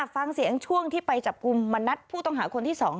ฟังเสียงช่วงที่ไปจับกลุ่มมณัฐผู้ต้องหาคนที่๒